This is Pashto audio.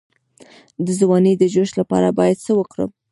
د ځوانۍ د جوش لپاره باید څه وکړم؟